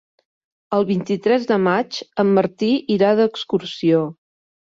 El vint-i-tres de maig en Martí irà d'excursió.